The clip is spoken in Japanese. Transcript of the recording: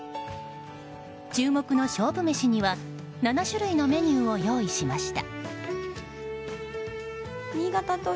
注目の勝負メシには７種類のメニューを用意しました。